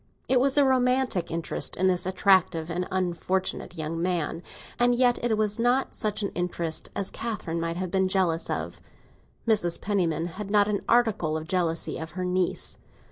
It was a romantic interest in this attractive and unfortunate young man, and yet it was not such an interest as Catherine might have been jealous of. Mrs. Penniman had not a particle of jealousy of her niece.